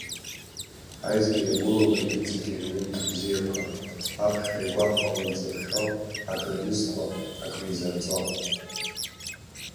Аизга иагәылалеит иҵегьы аҩымҭа бзиақәа, аԥхьаҩ гәахәала дзыԥхьо, акыр изҭо, акризырҵо.